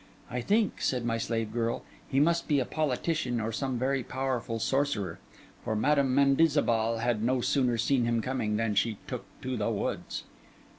'I think,' said my slave girl, 'he must be a politician or some very powerful sorcerer; for Madam Mendizabal had no sooner seen them coming, than she took to the woods.